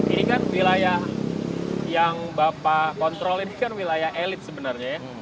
ini kan wilayah yang bapak kontrol ini kan wilayah elit sebenarnya ya